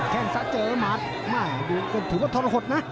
แข้งซะเจ๋อหมัดถือว่าทรมาคทนะ